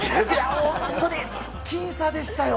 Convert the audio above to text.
本当にきん差でしたよ。